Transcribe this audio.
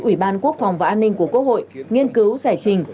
ủy ban quốc phòng và an ninh của quốc hội nghiên cứu giải trình